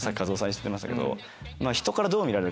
知ってましたけど。